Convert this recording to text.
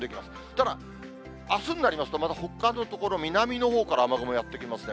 ただあすになりますと、ほかの所、南のほうから雨雲やって来ますね。